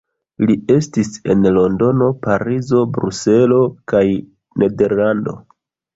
Li estis en Londono, Parizo, Bruselo kaj Nederlando.